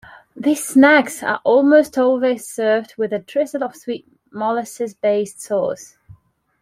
These snacks are almost always served with a drizzle of sweet molasses-based sauce.